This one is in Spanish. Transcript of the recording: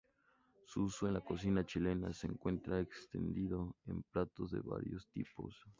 Su uso en la cocina chilena se encuentra extendido en platos de variados tipos.